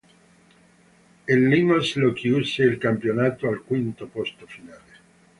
Il Lyn Oslo chiuse il campionato al quinto posto finale.